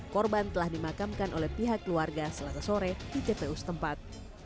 korban telah dimakamkan oleh pihak keluarga selasa sore di tpu setempat